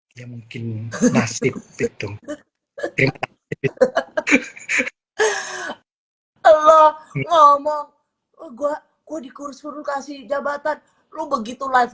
hai yang mungkin masih betul betul kalau ngomong gua gua di kursus kasih jabatan lu begitu live